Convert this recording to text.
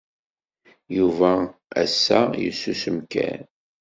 Yuba assa yessusem kan.